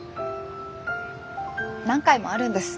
何回もあるんです